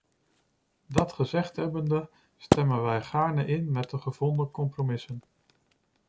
Dat gezegd hebbende, stemmen wij gaarne in met de gevonden compromissen.